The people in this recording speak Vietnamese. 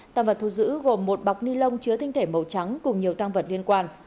tăng vật thu giữ gồm một bọc ni lông chứa tinh thể màu trắng cùng nhiều tăng vật liên quan